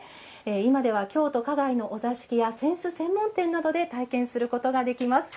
今では京都・花街のお座敷や扇子専門店などで体験することができます。